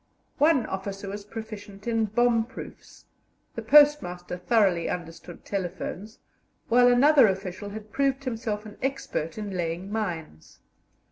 One officer was proficient in bomb proofs, the postmaster thoroughly understood telephones, while another official had proved himself an expert in laying mines.